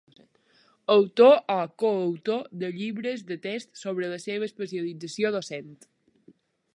Autor o coautor de llibres de text sobre la seva especialització docent.